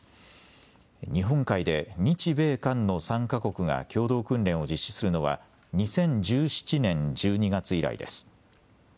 日本海で日米韓の３か国が共同訓練を実施するのは２０１７年１２月以来です。